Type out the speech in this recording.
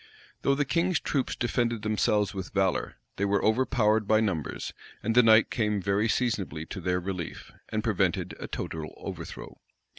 Though the king's troops defended themselves with valor, they were overpowered by numbers; and the night came very seasonably to their relief, and prevented a total overthrow.